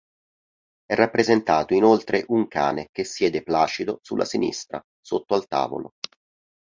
È rappresentato inoltre un cane che siede placido sulla sinistra sotto al tavolo.